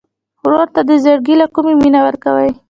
ورور ته د زړګي له کومي مینه ورکوې.